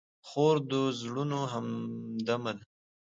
خور د زړونو همدمه ده.